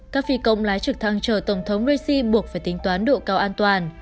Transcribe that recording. các phi công lái trực thăng chờ tổng thống raisi buộc phải tính toán độ cao an toàn